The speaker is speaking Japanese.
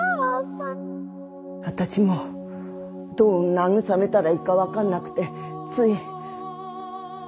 私もどうなぐさめたらいいかわかんなくてつい。